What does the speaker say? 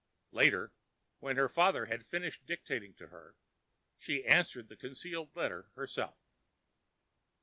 Later, when her father had finished dictating to her, she answered the concealed letter herself.